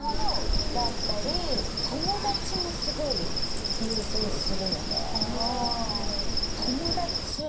だったり友達もすごい優先するので。